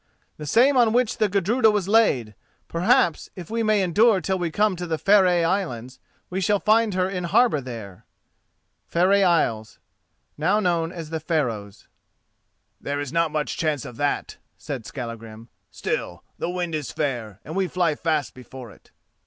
"The same on which the Gudruda was laid. Perhaps, if we may endure till we come to the Farey Isles,[*] we shall find her in harbour there." [*] The Faroes. "There is not much chance of that," said Skallagrim; "still, the wind is fair, and we fly fast before it."